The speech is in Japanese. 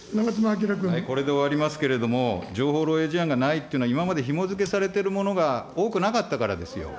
これで終わりますけれども、情報漏えい事案がないっていうのは、今までひも付けされてるものが多くなかったからですよ。